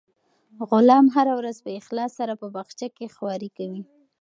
غلام هره ورځ په اخلاص سره په باغچه کې خوارۍ کوي.